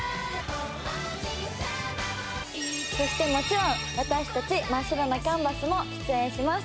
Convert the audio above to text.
そしてもちろん私たち真っ白なキャンバスも出演します。